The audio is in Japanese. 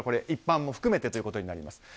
一般も含めてということになります。